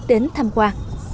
đến thăm qua